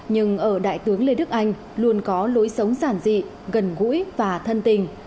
nhưng ở đại tướng lê đức anh luôn có lối sống giản dị gần gũi và thân tình